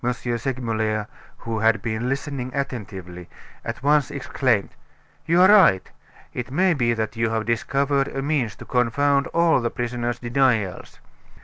Segmuller, who had been listening attentively, at once exclaimed: "You are right. It may be that you have discovered a means to confound all the prisoner's denials.